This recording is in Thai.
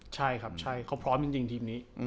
ใช่ครับใช่เขาพร้อมจริงทีมนี้